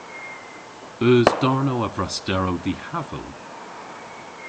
Eus darnow a vrasterow dihaval?